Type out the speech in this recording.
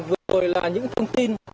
vừa rồi là những thông tin